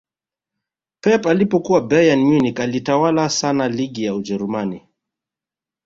pep alipokuwa bayern munich alitawala sana ligi ya ujerumani